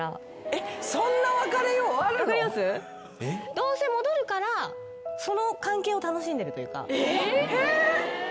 どうせ戻るからその関係を楽しんでるというか。